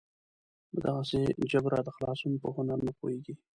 له دغسې جبره د خلاصون په هنر نه پوهېږي.